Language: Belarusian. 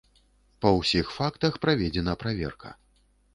Па ўсіх фактах праведзена праверка.